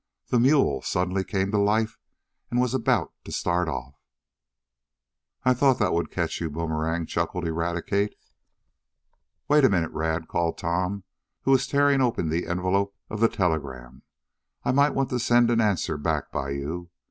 The mule suddenly came to life, and was about to start off. "I done thought dat would cotch yo', Boomerang," chuckled Eradicate. "Wait a minute, Rad," called Tom, who was tearing open the envelope of the telegram. "I might want to send an answer back by you.